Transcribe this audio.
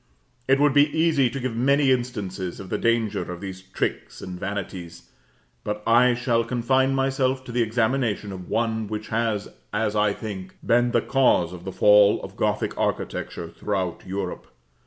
It would be easy to give many instances of the danger of these tricks and vanities; but I shall confine myself to the examination of one which has, as I think, been the cause of the fall of Gothic architecture throughout Europe.